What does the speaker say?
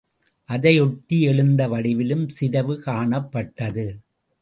அதையொட்டி எழுத்து வடிவிலும் சிதைவு காணப்பட்டது.